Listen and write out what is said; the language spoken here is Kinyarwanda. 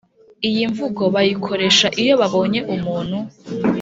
Iyi mvugo bayikoresha iyo babonye umuntu